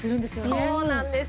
そうなんです。